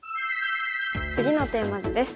次のテーマ図です。